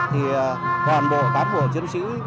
thì toàn bộ cán bộ chiến sĩ